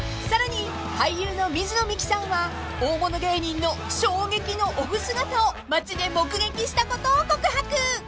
［さらに俳優の水野美紀さんは大物芸人の衝撃のオフ姿を街で目撃したことを告白］